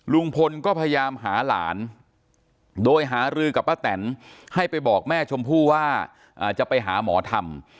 ลุงพลก็พยายามหาหลานโดยหารือกับป้าแตนให้ไปบอกแม่ชมพู่ว่าจะไปหาหมอธรรม